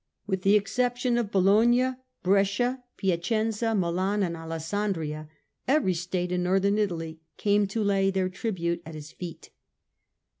With the exception of Bologna, Brescia, Piacenza, Milan and Alessandria, every state in Northern Italy came to lay their tribute at his feet.